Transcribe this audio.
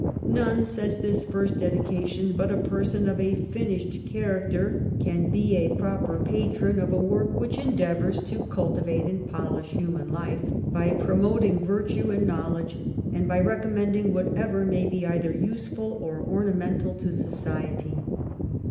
' None,' says this first dedication, ' but a person of a finished character can be a proper patron 1711 13 THE DEDICATIONS. 177 of a work which endeavours to cultivate and polish human life, by promoting virtue and knowledge, and by recommending whatsoever may be either useful or ornamental to society.'